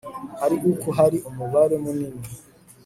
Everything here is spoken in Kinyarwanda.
ari uko hari umubare munini